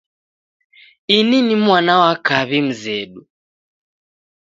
Ini ni mwana wa kaw'i mzedu.